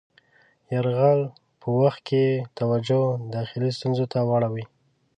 یرغل په وخت کې یې توجه داخلي ستونزو ته واړوي.